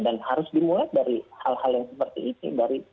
dan harus dimulai dari hal hal yang seperti ini